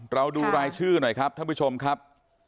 ดูรายชื่อหน่อยครับท่านผู้ชมครับ